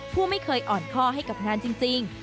ผู้ไม่เคยอ่อนข้อให้กับงานจริง